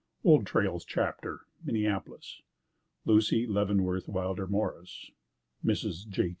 OLD TRAILS CHAPTER Minneapolis LUCY LEAVENWORTH WILDER MORRIS (Mrs. J.